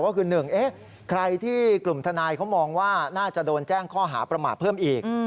ก็คือ๑ใครที่กลุ่มทนายเขามองว่าน่าจะโดนแจ้งข้อหาประมาทเพิ่มอีก